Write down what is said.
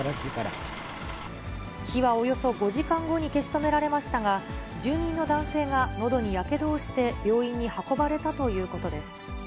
火はおよそ５時間後に消し止められましたが、住人の男性がのどにやけどをして病院に運ばれたということです。